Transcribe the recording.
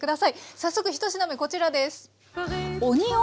早速１品目こちらです。